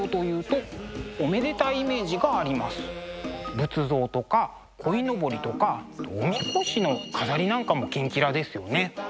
仏像とかこいのぼりとかおみこしの飾りなんかもキンキラですよね。